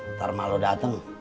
ntar malu dateng